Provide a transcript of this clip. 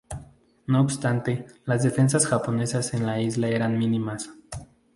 No obstante, las defensas japonesas en la isla eran mínimas.